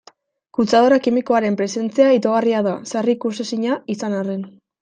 Kutsadura kimikoaren presentzia itogarria da, sarri ikusezina izan arren.